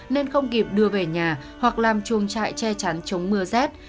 nên không kịp đưa về nhà hoặc làm chuồng trại che chắn chống mưa rét